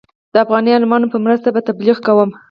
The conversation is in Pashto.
د افغاني عالمانو په مرسته به تبلیغ کوم.